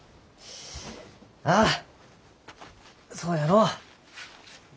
ああそうやのう。